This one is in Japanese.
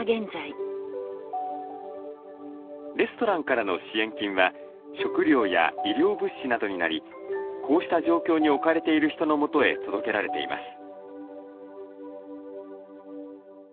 レストランからの支援金は食料や医療物資などになりこうした状況に置かれている人のもとへ届けられています。